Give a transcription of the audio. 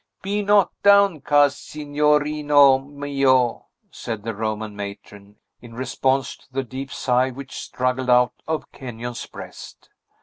"Be not downcast, signorino mio," said the Roman matron, in response to the deep sigh which struggled out of Kenyon's breast.